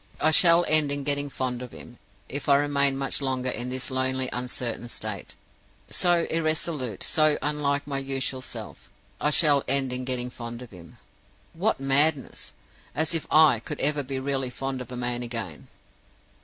"I shall end in getting fond of him. If I remain much longer in this lonely uncertain state so irresolute, so unlike my usual self I shall end in getting fond of him. What madness! As if I could ever be really fond of a man again!